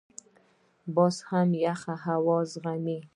باز هم یخ هوا زغمي